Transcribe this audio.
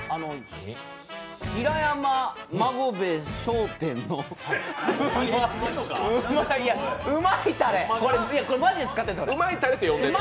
平山孫兵衛商店のうまいたれ、これ、マジで使ってるんです。